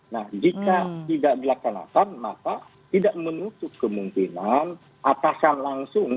nah jika tidak dilaksanakan maka tidak menutup kemungkinan atasan langsung